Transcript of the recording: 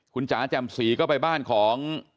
คุณจ๋าแจ่มศรีก็ไปบ้านของ